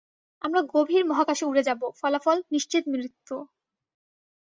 আমরা গভীর মহাকাশে উড়ে যাবো, ফলাফল, নিশ্চিত মৃত্যু।